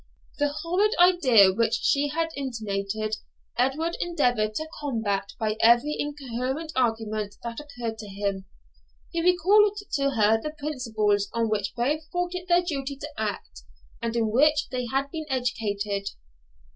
The horrid idea which she had intimated, Edward endeavoured to combat by every incoherent argument that occurred to him. He recalled to her the principles on which both thought it their duty to act, and in which they had been educated.